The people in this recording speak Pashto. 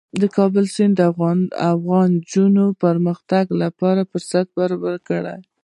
د کابل سیند د افغان نجونو د پرمختګ لپاره فرصتونه برابروي.